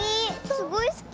すごいすき。